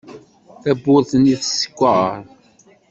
Tawwurt-nni teskeṛ.